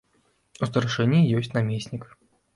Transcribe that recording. У старшыні ёсць намеснік.